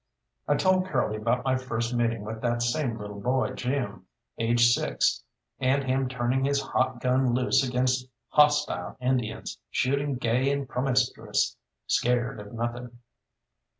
I told Curly about my first meeting with that same little boy Jim, aged six, and him turning his hot gun loose against hostile Indians, shooting gay and promiscuous, scared of nothing.